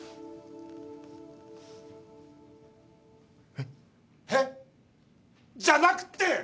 えっ？えっ？じゃなくて！